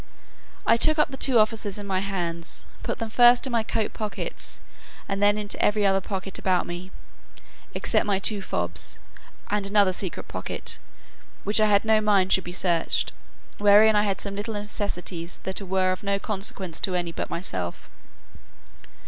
I took up the two officers in my hands, put them first into my coat pockets, and then into every other pocket about me, except my two fobs, and another secret pocket, which I had no mind should be searched, wherein I had some little necessaries that were of no consequence to any but myself.